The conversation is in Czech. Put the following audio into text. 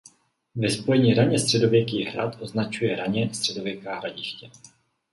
Ve spojení „raně středověký hrad“ označuje raně středověká hradiště.